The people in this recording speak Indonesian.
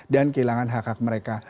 dan kehilangan hak hak mereka